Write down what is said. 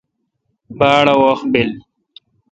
باڑ اؘ وحت بیل۔